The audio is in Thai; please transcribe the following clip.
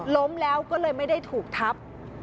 ล้มแล้วก็เลยไม่ได้ถูกทับ